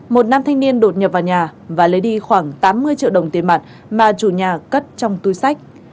một nam thanh niên đột nhập vào nhà và lấy đi khoảng tám mươi triệu đồng tiền mặt mà chủ nhà cất trong túi sách